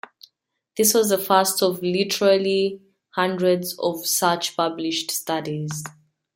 This was the first of literally hundreds of such published studies.